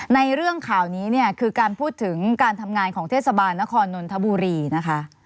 ในเรื่องข่าวนี้เนี่ยคือการพูดถึงการทำงานของเทศบาลนครนนทบุรีนะคะ